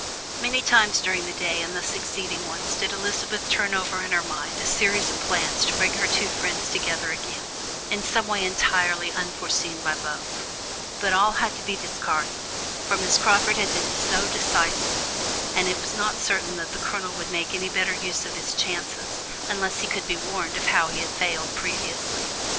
Many times during the day and the succeeding ones did Elizabeth turn over in her mind a series of plans to bring her two friends together again, in some way entirely unforeseen by both; but all had to be discarded, for Miss Crawford had been so decisive, and it was not certain that the Colonel would make any better use of his chances, unless he could be warned of how he had failed previously.